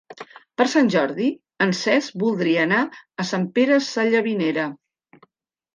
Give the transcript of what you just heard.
Per Sant Jordi en Cesc voldria anar a Sant Pere Sallavinera.